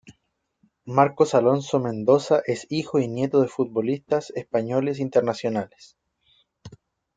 Marcos Alonso Mendoza es hijo y nieto de futbolistas españoles internacionales.